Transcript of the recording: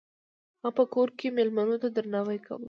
هغه په کور کې میلمنو ته درناوی کاوه.